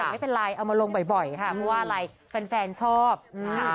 แต่ไม่เป็นไรเอามาลงบ่อยค่ะเพราะว่าอะไรแฟนชอบอืม